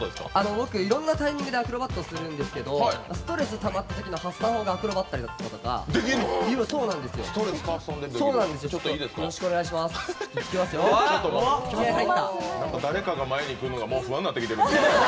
僕、いろんなタイミングでアクロバットをするんですけどストレスたまったときの発散法がアクロバットだったりとか。